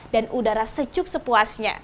dan udara secuk sepuasnya